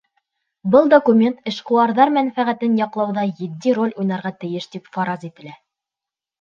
Был документ эшҡыуарҙар мәнфәғәтен яҡлауҙа етди роль уйнарға тейеш тип фараз ителә.